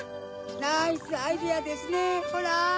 ナイスアイデアですねホラ！